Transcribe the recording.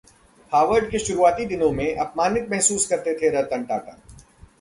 Howard के शुरुआती दिनों में अपमानित महसूस करते थे रतन टाटा